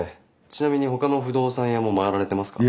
ちなみにほかの不動産屋も回られてますか？